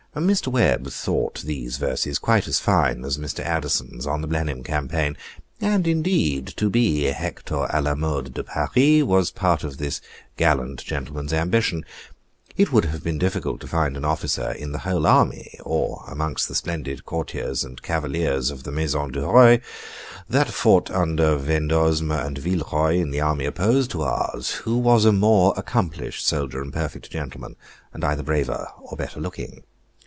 Mr. Webb thought these verses quite as fine as Mr. Addison's on the Blenheim Campaign, and, indeed, to be Hector a la mode de Paris, was part of this gallant gentleman's ambition. It would have been difficult to find an officer in the whole army, or amongst the splendid courtiers and cavaliers of the Maison du Roy, that fought under Vendosme and Villeroy in the army opposed to ours, who was a more accomplished soldier and perfect gentleman, and either braver or better looking.